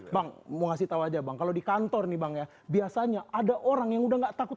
bang mau kasih tahu aja bang kalau di kantor nih bang ya biasanya ada orang yang udah gak takut